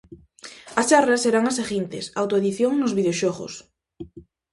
As charlas serán as seguintes: Autoedición nos videoxogos.